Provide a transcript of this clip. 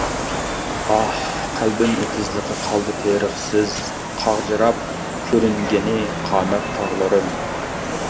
ئاھ، قەلبىم ئېتىزلىقى قالدى تېرىقسىز، قاغجىراپ كۆرۈنگىنى قامەت تاغلىرىم.